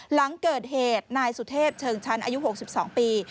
หลังเกิดเหตุนายสุเทพเชิงชั้นอายุ๖๒ปี